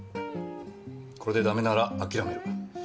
これでダメなら諦める。